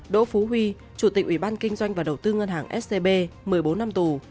đỗ phú huy chủ tịch ủy ban kinh doanh và đầu tư ngân hàng scb một mươi bốn năm tù